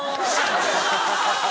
ハハハハ！